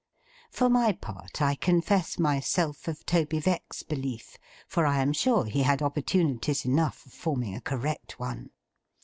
For my part, I confess myself of Toby Veck's belief, for I am sure he had opportunities enough of forming a correct one.